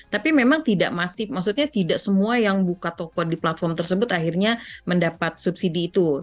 tapi memang tidak masih maksudnya tidak semua yang buka toko di platform tersebut akhirnya mendapat subsidi itu